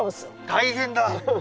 大変だ。